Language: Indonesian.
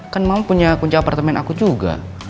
kan mama punya kunci apartemen aku juga